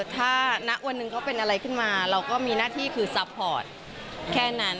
ถ้าณวันหนึ่งเขาเป็นอะไรขึ้นมาเราก็มีหน้าที่คือซัพพอร์ตแค่นั้น